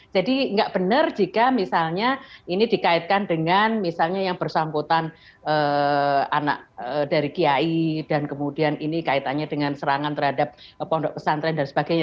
nggak benar jika misalnya ini dikaitkan dengan misalnya yang bersangkutan anak dari kiai dan kemudian ini kaitannya dengan serangan terhadap pondok pesantren dan sebagainya